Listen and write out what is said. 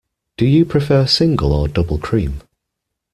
Do you prefer single or double cream?